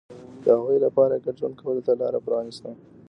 د هغوی لپاره یې ګډ ژوند کولو ته لار پرانېسته